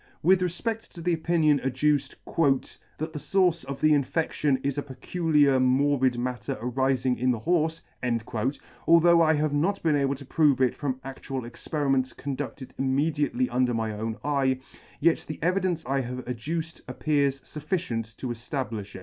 With refped to the opinion adduced " that the fource of the infedion is a peculiar morbid matter arifing in the horfe," although I have not been able to prove it from adual experiments conduded immediately under my own eye, yet the evidence I have adduced appears fufficient to eflablifh it.